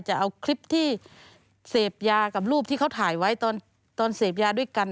จะเอาคลิปที่เสพยากับรูปที่เขาถ่ายไว้ตอนเสพยาด้วยกัน